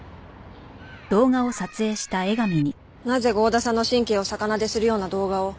なぜ剛田さんの神経を逆なでするような動画を？